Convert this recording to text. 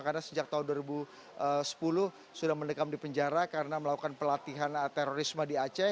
karena sejak tahun dua ribu sepuluh sudah mendekam di penjara karena melakukan pelatihan terorisme di aceh